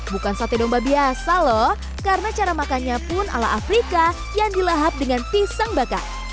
bukan sate domba biasa loh karena cara makannya pun ala afrika yang dilahap dengan pisang bakar